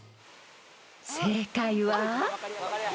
［正解は？］